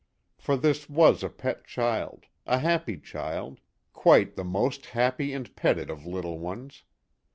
For this was a pet child a happy child quite the most happy and petted of little ones.